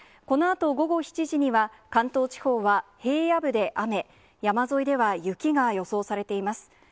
このあと午後７時には、関東地方は平野部で雨、山沿いでは雪が予想されています。